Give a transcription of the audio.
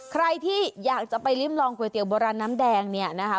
ใครที่อยากจะไปริมลองก๋วยเตี๋ยโบราณน้ำแดงเนี่ยนะคะ